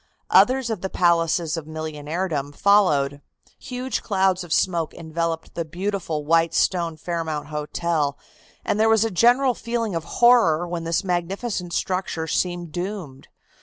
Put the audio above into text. Others of the palaces of millionairedom followed. Huge clouds of smoke enveloped the beautiful white stone Fairmount Hotel, and there was a general feeling of horror when this magnificent structure seemed doomed.